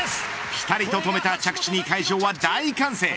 ぴたりと止めた着地に会場は大歓声。